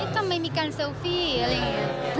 ทำไมมีการเซลฟี่อะไรอย่างนี้